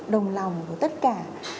đồng lòng của tất cả